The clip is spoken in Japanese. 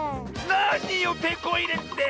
なによテコいれって！